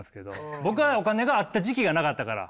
僕はお金があった時期がなかったから。